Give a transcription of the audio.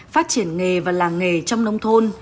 phát triển nghề và làng nghề trong nông thôn